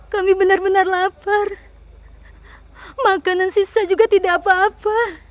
kami benar benar lapar makanan sisa juga tidak apa apa